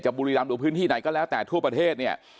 บุรีรำหรือพื้นที่ไหนก็แล้วแต่ทั่วประเทศเนี่ย